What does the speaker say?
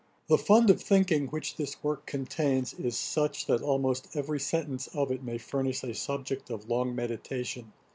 The fund of thinking which this work contains is such, that almost every sentence of it may furnish a subject of long meditation.